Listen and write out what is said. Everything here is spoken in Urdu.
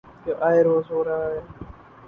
جو آئے روز ہو رہا ہے۔